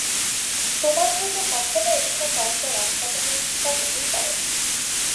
তোমার হয়ত কখনও এখানে কয়েকটা রাত কাটানোর ইচ্ছা হতেই পারে।